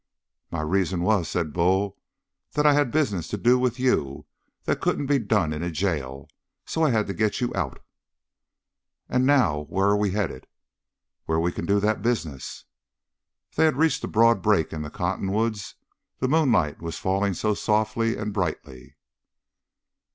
"My reason was," said Bull, "that I had business to do with you that couldn't be done in a jail. So I had to get you out." "And now where're we headed?" "Where we can do that business." They had reached a broad break in the cottonwoods; the moonlight was falling so softly and brightly.